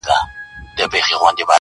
• ځان به خلاص کړو له دریم شریک ناولي -